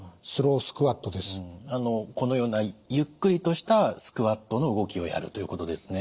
このようなゆっくりとしたスクワットの動きをやるということですね。